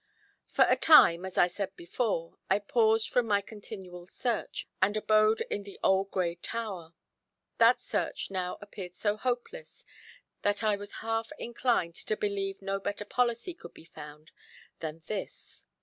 For a time, as I said before, I paused from my continual search, and abode in the old gray tower. That search now appeared so hopeless, that I was half inclined to believe no better policy could be found than this.